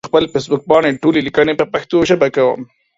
زه پخپل فيسبوک پاڼې ټولي ليکني په پښتو ژبه کوم